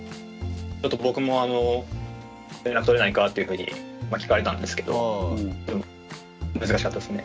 ちょっと僕も連絡取れないかっていうふうに聞かれたんですけどでも難しかったですね。